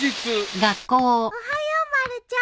おはようまるちゃん。